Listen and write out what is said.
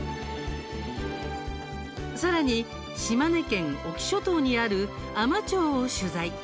さらに、島根県隠岐諸島にある海士町を取材。